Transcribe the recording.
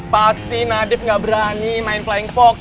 pasti nadief gak berani main flying fox